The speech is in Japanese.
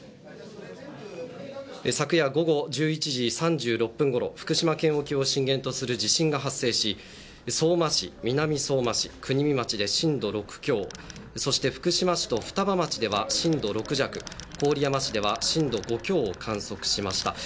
昨夜、午後１１時３６分ごろ福島県沖を震源する地震が発生し相馬市、南相馬市国見町で震度６強そして福島市と双葉町では震度６弱郡山市では震度５強を観測しました。